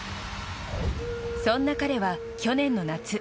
そんな彼は、去年の夏。